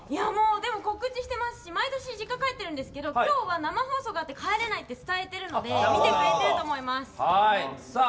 でも告知してますし毎年、実家帰ってるんですけど今日は生放送があって帰れないって伝えてるので見てくれていると思います。